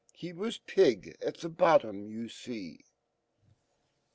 He was pig at the bottom ,yu fee.